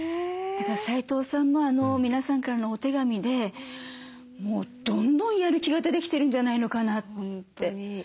だから齋藤さんも皆さんからのお手紙でもうどんどんやる気が出てきてるんじゃないのかなって。